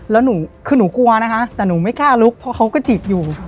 แล้วหนูคือหนูกลัวนะคะแต่หนูไม่กล้าลุกเพราะเขาก็จีบอยู่